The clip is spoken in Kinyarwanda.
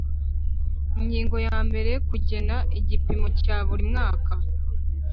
Ingingo ya mbere Kugena igipimo cya buri mwaka